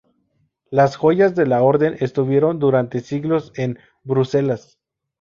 Las joyas de la orden estuvieron durante siglos en Bruselas.